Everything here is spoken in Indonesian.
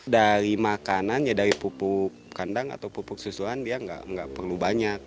dari makanan ya dari pupuk kandang atau pupuk susuan dia nggak perlu banyak